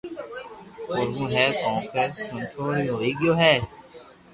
ڪروُ ھي ڪونڪھ سبو رو ھوئي گيو ھي